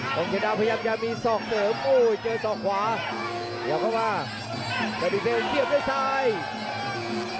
ครับเอ่อข่าวต่อข่าวสองต่อสองครับดูจังหวะดูครับเกี่ยวใกล้